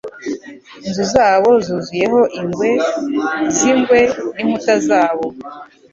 Inzu zabo zuzuyeho ingwe zingwe ninkuta zabo